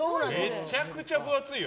めちゃくちゃ分厚いよ。